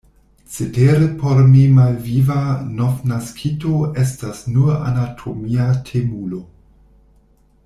Cetere por mi malviva novnaskito estas nur anatomia temulo.